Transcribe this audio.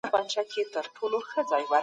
ټولنه باید د بې وزلو خلګو ملاتړ وکړي.